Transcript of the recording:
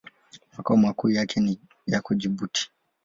Makao makuu yake yako Jibuti.